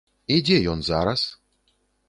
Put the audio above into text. І дзе ён зараз?